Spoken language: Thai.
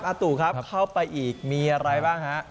ตู่ครับเข้าไปอีกมีอะไรบ้างฮะ